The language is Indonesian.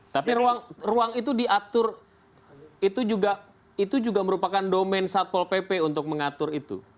tapi ruang itu diatur itu juga merupakan domen satpol pp untuk mengatur itu